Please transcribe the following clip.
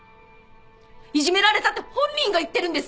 いじめられたと本人が言ってるんです。